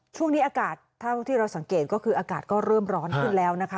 ช่วงนี้อากาศเท่าที่เราสังเกตก็คืออากาศก็เริ่มร้อนขึ้นแล้วนะคะ